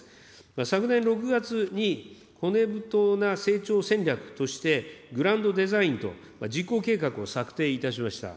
昨年６月に、骨太な成長戦略として、グランドデザインと実行計画を策定いたしました。